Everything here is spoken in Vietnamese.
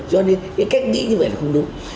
cho nên cái cách nghĩ như vậy là không đúng